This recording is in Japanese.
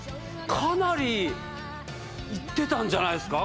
かなり行ってたんじゃないっすか？